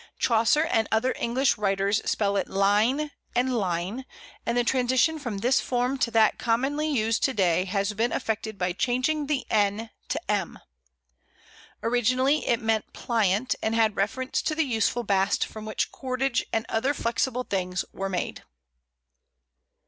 Chaucer and other English writers spell it Line and Lyne, and the transition from this form to that commonly used to day has been effected by changing the n to m. Originally it meant pliant, and had reference to the useful bast from which cordage and other flexible things were made.